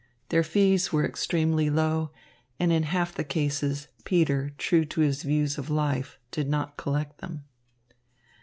Their fees were extremely low, and in half the cases Peter, true to his views of life, did not collect them.